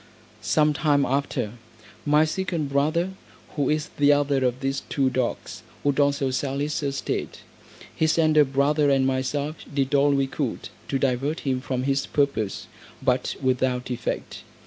Some time after, my second brother, who is the other of these two dogs, would also sell his estate. His elder brother and myself did all we could to divert him from his purpose, but without effect.